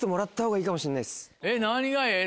何がええ？